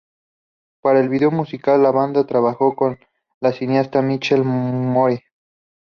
Para el video musical, la banda trabajó con el cineasta Michael Moore.